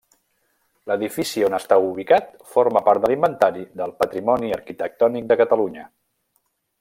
L'edifici on està ubicat forma part de l'Inventari del Patrimoni Arquitectònic de Catalunya.